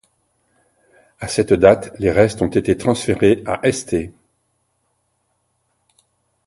À cette date les restes ont été transférés à St.